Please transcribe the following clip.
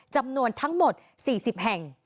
จำนวนทั้งหมด๔๐แห่ง